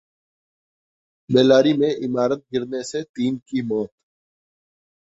बेल्लारी में इमारत गिरने से तीन की मौत